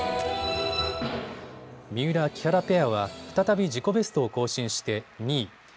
三浦・木原ペアは再び自己ベストを更新して２位。